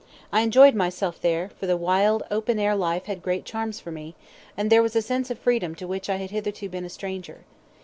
I enjoyed myself there, for the wild, open air life had great charms for me, and there was a sense of freedom to which I had hitherto been a stranger.